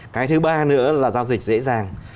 cái thứ ba nữa là giao dịch dễ dàng